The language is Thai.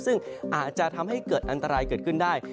ซึ่งอาจจะทำให้เกิดอันตรายเกิดขึ้นได้